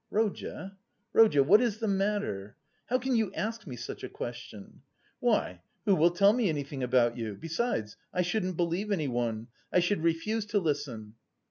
"Rodya, Rodya, what is the matter? How can you ask me such a question? Why, who will tell me anything about you? Besides, I shouldn't believe anyone, I should refuse to listen."